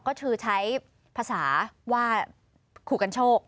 ก็คือใช้ภาษาว่าขู่กันโชค